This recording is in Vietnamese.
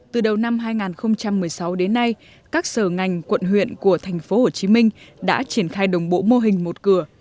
từ đầu năm hai nghìn một mươi sáu đến nay các sở ngành quận huyện của tp hcm đã triển khai đồng bộ mô hình một cửa